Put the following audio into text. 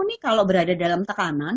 ini kalau berada dalam tekanan